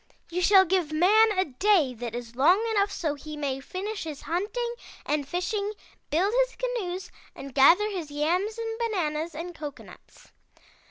You shall give man a day that is long enough so he may finish his hunting and fishing, build his canoes and gather his yams and bananas and cocoanuts.'